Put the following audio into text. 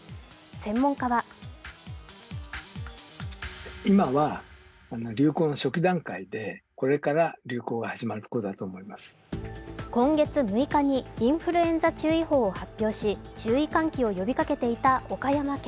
専門家は今月６日にインフルエンザ注意報を発表し注意喚起を呼びかけていた岡山県。